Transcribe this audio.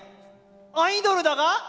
アイドルだか？